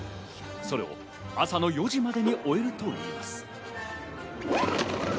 それを朝の４時までに終えるといいます。